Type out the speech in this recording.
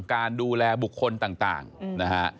การดูแลบุคคลต่างนะฮะ